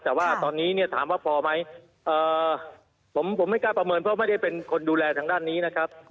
แต่ว่าตอนนี้เนี่ยถามว่าพอไหมผมไม่กล้าประเมินเพราะไม่ได้เป็นคนดูแลทางด้านนี้นะครับ